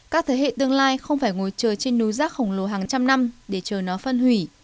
các thế hệ tương lai không phải ngồi chờ trên núi rác khổng lồ hàng trăm năm để chờ nó phân hủy